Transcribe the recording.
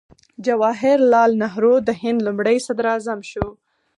جواهر لال نهرو د هند لومړی صدراعظم شو.